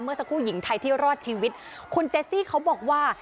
สักครู่หญิงไทยที่รอดชีวิตคุณเจสซี่เขาบอกว่า